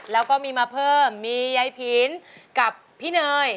แล้วก็มีมาเพิ่มมียายผินกับพี่เนย